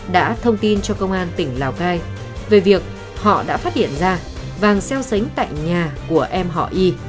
đã thông tin cho công an tỉnh lào cai về việc họ đã phát hiện ra vang xéo sánh tại nhà của em họ y